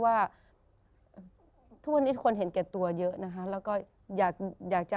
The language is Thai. ว่าทุกวันนี้คนเห็นแก่ตัวเยอะนะคะแล้วก็อยากอยากจะ